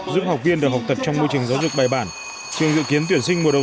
giúp học viên được học tập trong môi trường giáo dục bài bản trường dự kiến tuyển sinh mùa đầu